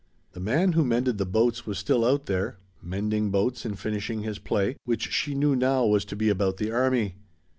The man who mended the boats was still out there, mending boats and finishing his play, which she knew now was to be about the army.